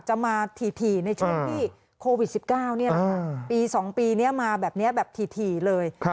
จะมาถี่ในช่วงที่โควิด๑๙ปี๒ปีนี้มาแบบนี้แบบถี่เลย